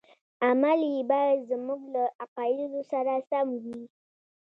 عمل یې باید زموږ له عقایدو سره سم وي.